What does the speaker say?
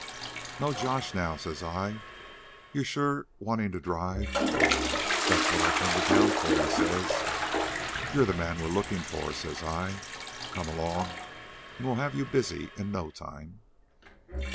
'No josh, now,' says I; 'you're sure wantin' to drive?' 'That's what I come to town for,' he says. 'You're the man we're lookin' for,' says I. 'Come along, an' we'll have you busy in no time.'